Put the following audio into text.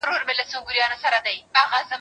زه اوس د سبا لپاره د يادښتونه يادوم